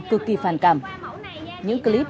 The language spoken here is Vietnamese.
cực kỳ phản cảm những clip